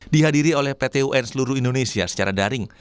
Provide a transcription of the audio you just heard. dihadiri oleh pt un seluruh indonesia secara daring